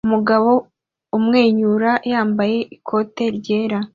umugabo umwenyura yambaye ikote ryera